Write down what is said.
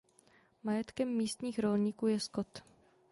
Majetkem místních rolníků je skot.